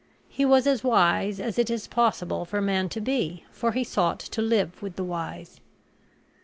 He was as wise as it is possible for man to be, for he sought to live with the wise.